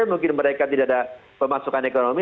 mungkin mereka tidak ada pemasukan ekonomi